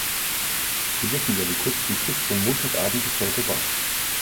Sie wissen ja, wie kurz die Frist von Montag abend bis heute war.